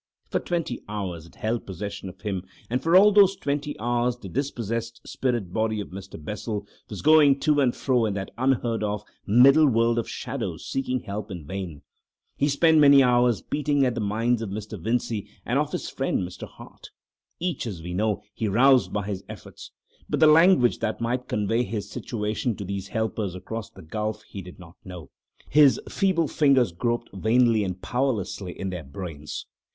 For twenty hours it held possession of him, and for all those twenty hours the dispossessed spirit body of Mr. Bessel was going to and fro in that unheard of middle world of shadows seeking help in vain. He spent many hours beating at the minds of Mr. Vincey and of his friend Mr. Hart. Each, as we know, he roused by his efforts. But the language that might convey his situation to these helpers across the gulf he did not know; his feeble fingers groped vainly and powerlessly in their brains.